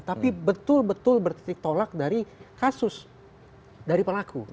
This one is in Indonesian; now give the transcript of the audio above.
tapi betul betul bertitik tolak dari kasus dari pelaku